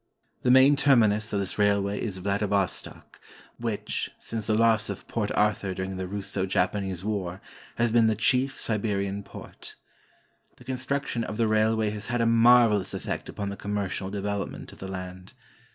The main terminus of this railway is Vladivostok, which, since the loss of Port Arthur during the Russo Japanese War, has been the chief Siberian port. The construction of the railway has had a marvelous effect upon the commercial development of the land.